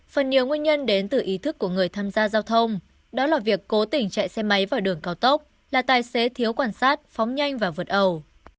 phần nhiều nguyên nhân đến từ ý thức của người tham gia giao thông đó là việc cố tình chạy xe máy vào đường cao tốc là tài xế thiếu quan sát phóng nhanh và vượt ẩu